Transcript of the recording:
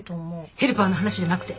ヘルパーの話じゃなくて。